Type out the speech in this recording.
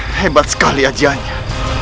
hebat sekali ajahnya